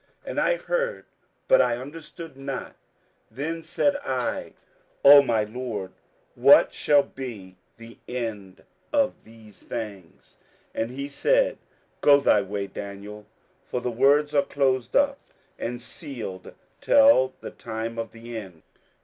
27:012:008 And I heard, but I understood not: then said I, O my Lord, what shall be the end of these things? 27:012:009 And he said, Go thy way, Daniel: for the words are closed up and sealed till the time of the end.